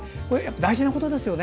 大事なことですよね。